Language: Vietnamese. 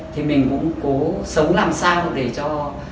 thì mình cũng cố sống làm sao để cho